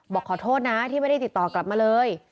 บอกขอโทษนะที่ไม่ได้ติดต่อกลับมาเลย